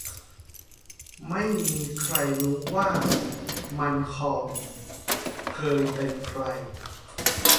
ไม่มีใครรู้ว่า มัลคอม เคยเป็นใคร